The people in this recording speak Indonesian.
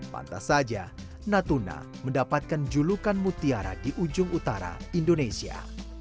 pantas saja natuna mendapatkan julukan mutiara di ujung utara indonesia